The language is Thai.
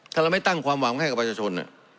ถ้าเราไม่ตั้งความหวังให้กับประชาชน